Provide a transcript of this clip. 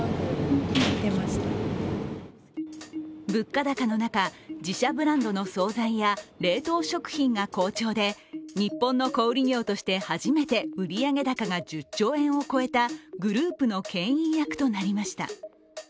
物価高の中、自社ブランドの総菜や冷凍食品が好調で日本の小売業として初めて売上高が１０兆円を超えたグループのけん引役となりました。